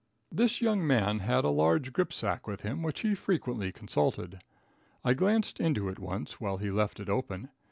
This young man had a large grip sack with him which he frequently consulted. I glanced into it once while he left it open.